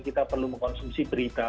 kita perlu mengkonsumsi berita